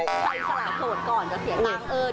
ใครสละโสดก่อนจะเสียตังค์